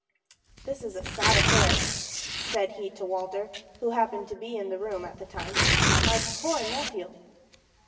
"This is a sad affair," said he to Walter, who happened to be in the room at the time. "My poor nephew!"